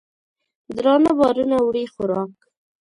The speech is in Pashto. درانه بارونه وړي خوراک